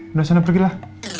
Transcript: udah sana pergilah